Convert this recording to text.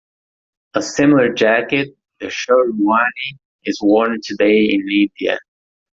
A similar jacket, the sherwani, is worn today in India.